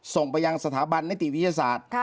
ส่งไปยังสถาบันนิติวิทยาศาสตร์